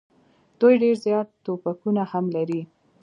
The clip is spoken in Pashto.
دوی ډېر زیات توپکونه هم لري.